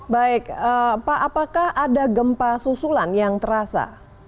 baik pak apakah ada gempa susulan yang terasa